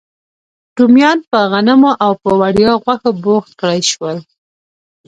رومیان په غنمو او په وړیا غوښو بوخت کړای شول.